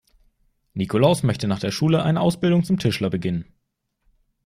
Nikolaus möchte nach der Schule eine Ausbildung zum Tischler beginnen.